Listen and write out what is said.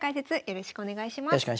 よろしくお願いします。